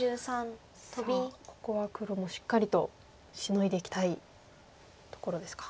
さあここは黒もしっかりとシノいでいきたいところですか。